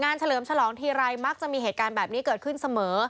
เฉลิมฉลองทีไรมักจะมีเหตุการณ์แบบนี้เกิดขึ้นเสมอ